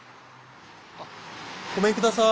あっごめんください。